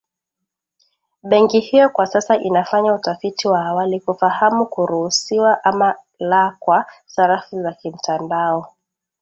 Benki hiyo kwa sasa inafanya utafiti wa awali kufahamu kuruhusiwa ama la kwa sarafu za kimtandao.